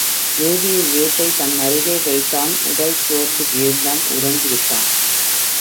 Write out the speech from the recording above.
எழுதிய ஏட்டைத் தன்னருகே வைத்தான் உடல் சோர்ந்து வீழ்ந்தான் உறங்கி விட்டான்.